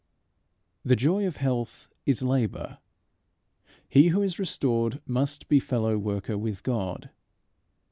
The joy of health is labour. He who is restored must be fellow worker with God.